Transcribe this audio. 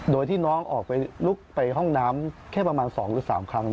โดยที่น้องออกไปลุกไปห้องน้ำแค่ประมาณ๒หรือ๓ครั้ง